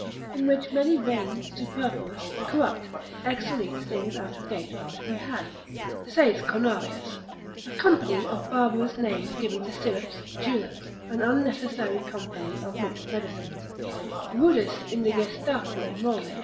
In which many vain, superfluous, corrupt, exolete, things out of date are to be had (saith Cornarius); a company of barbarous names given to syrups, juleps, an unnecessary company of mixed medicines; rudis indigestaque moles.